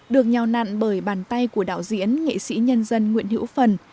được nhào nặn bởi bàn tay của đạo diễn nghệ sĩ nhân dân nguyễn hữu phần